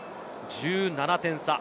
１７点差。